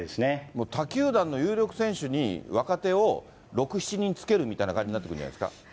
もう他球団の有力選手に若手を６、７人つけるみたいな感じになってくるんじゃないですか。